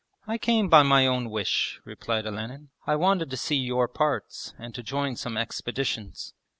'I came by my own wish,' replied Olenin. 'I wanted to see your parts and to join some expeditions.'